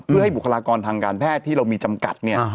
เพื่อให้บุคลากรทางการแพทย์ที่เรามีจำกัดเนี่ย